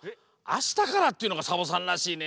「あしたから」っていうのがサボさんらしいね。